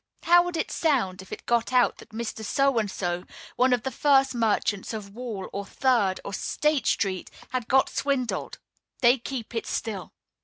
how would it sound, if it got out, that Mr. So and So, one of the first merchants on Wall, or Third, or State street, had got swindled? They will keep it still.